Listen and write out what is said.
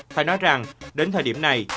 phải nói rằng đến thời điểm này